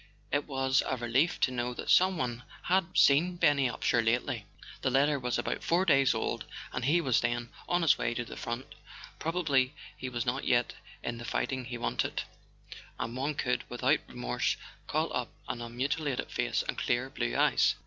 It was a relief to know that someone had seen Benny Upsher lately. The letter was but four days old, and he was then on his way to the front. Probably he was not yet in the fighting he wanted, and one could, without re¬ morse, call up an unmutilated face and clear blue eyes.